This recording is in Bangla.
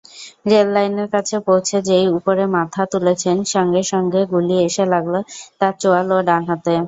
রেললাইনের কাছে পৌঁছে যেই ওপরে মাথা তুলেছেন, সঙ্গে সঙ্গে গুলি এসে লাগল তার চোয়াল ও ডান হাতে।